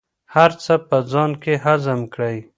هر څه په ځان کې هضم کړئ.